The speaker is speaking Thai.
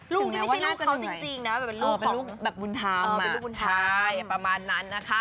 ลูกที่ไม่ใช่ลูกเขาจริงนะเป็นลูกของบุญธรรมนะใช่ประมาณนั้นนะคะ